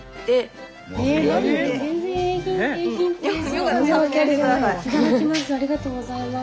ありがとうございます。